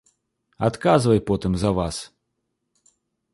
Адказвай потым за вас.